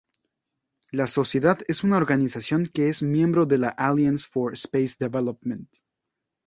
La Sociedad es una organización que es miembro de la Alliance for Space Development.